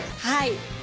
はい。